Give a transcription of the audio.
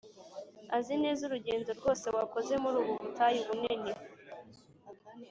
Azi neza urugendo rwose wakoze muri ubu butayu bunini.